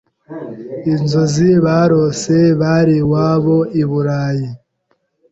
inzozi barose bari iwabo I Burayi